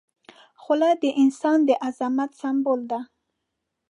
خولۍ د انسان د عظمت سمبول ده.